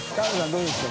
どうですか？